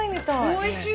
おいしい！